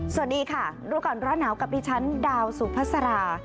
สวัสดีค่ะรู้ก่อนร้อนหนาวกับดิฉันดาวสุภาษา